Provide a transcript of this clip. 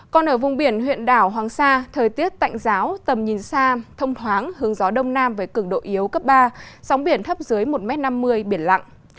còn ở vùng biển huyện đảo hoàng sa thời tiết tạnh giáo tầm nhìn xa thông thoáng hướng gió đông nam với cứng độ yếu cấp ba sóng biển thấp dưới một năm mươi biển lặng